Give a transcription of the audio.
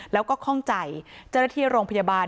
แล้วก็คล่องใจจริทิโรงพยาบาล